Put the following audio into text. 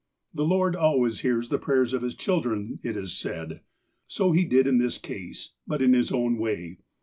The Lord always hears the prayers of His children, it is said. So He did in this case. But in His own way.